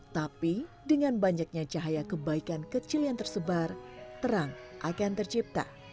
tapi dengan banyaknya cahaya kebaikan kecil yang tersebar terang akan tercipta